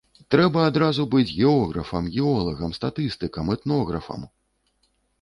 Трэба адразу быць географам, геолагам, статыстыкам, этнографам!